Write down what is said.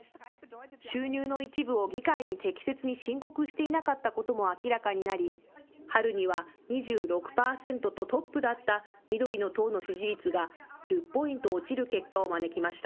収入の一部を議会に適切に申告していなかったことも明らかになり、春には２６％とトップだった緑の党の支持率が１０ポイント落ちる結果を招きました。